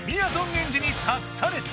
エンジにたくされた！